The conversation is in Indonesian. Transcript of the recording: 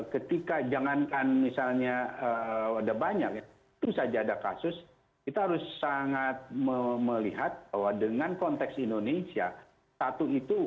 ketika jangankan misalnya ada banyak ya itu saja ada kasus kita harus sangat melihat bahwa dengan konteks indonesia satu itu bisa jadi ada beberapa kasus di belakangnya